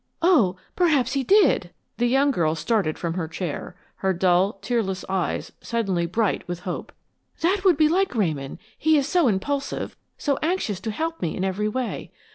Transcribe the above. "Oh, perhaps he did!" The young girl started from her chair, her dull, tearless eyes suddenly bright with hope. "That would be like Ramon; he is so impulsive, so anxious to help me in every way!